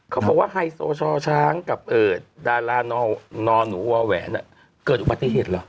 เขาบอกว่าไฮโซชอช้างกับดารานอนหนูวาแหวนเกิดอุบัติเหตุเหรอ